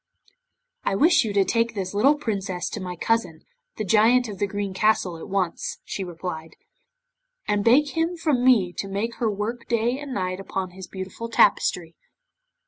'"I wish you to take this little Princess to my cousin, the Giant of the Green Castle, at once," she replied, "and beg him from me to make her work day and night upon his beautiful tapestry."